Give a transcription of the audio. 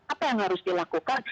apa yang harus dilakukan